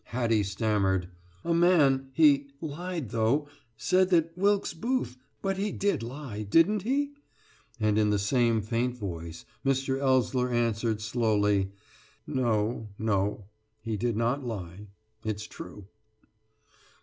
Hattie stammered: "A man he lied though said that Wilkes Booth but he did lie didn't he?" and in the same faint voice Mr. Ellsler answered slowly: "No no! he did not lie it's true!"